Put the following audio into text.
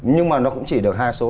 nhưng mà nó cũng chỉ được hai số